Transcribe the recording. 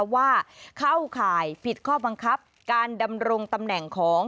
ว่าเข้าข่ายผิดข้อบังคับการดำรงตำแหน่งของ